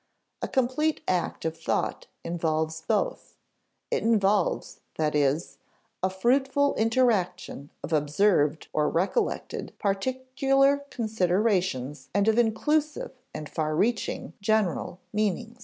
A complete act of thought involves both it involves, that is, a fruitful interaction of observed (or recollected) particular considerations and of inclusive and far reaching (general) meanings.